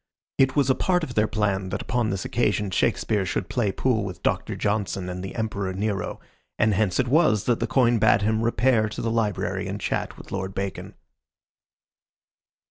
It was a part of their plan that upon this occasion Shakespeare should play pool with Doctor Johnson and the Emperor Nero, and hence it was that the coin bade him repair to the library and chat with Lord Bacon.